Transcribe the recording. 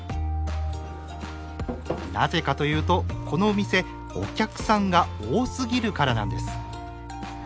なぜかというとこのお店お客さんが多すぎるからなんです。